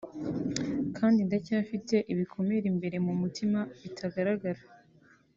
kandi ndacyafite ibikomere imbere mu mutima bitagaragara